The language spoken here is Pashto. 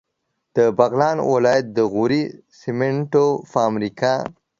د بغلان ولایت د غوري سیمنټو فابریکه